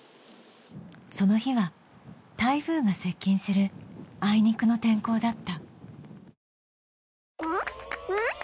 その日は台風が接近するあいにくの天候だった・